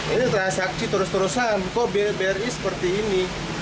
ini transaksi terus terusan kok bri seperti ini